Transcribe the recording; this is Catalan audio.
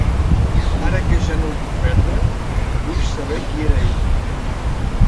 Ara que ja no el puc perdre vull saber qui era ella!